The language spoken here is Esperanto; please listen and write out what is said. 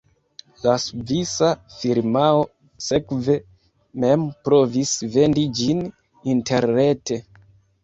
La svisa firmao sekve mem provis vendi ĝin interrete.